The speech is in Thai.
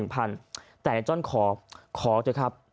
แต่ในจ้อนขอขอเถอะครับ